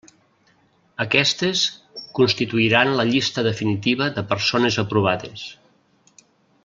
Aquestes constituiran la llista definitiva de persones aprovades.